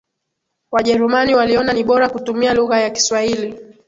Wajerumani waliona ni bora kutumia lugha ya Kiswahili